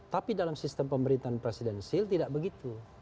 tapi dalam sistem pemerintahan presidensil tidak begitu